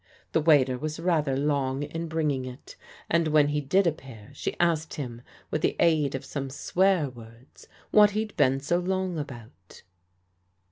The waiter was rather long in bringing it, and when he did appear she asked him with the aid of some swear words what he'd been so long about."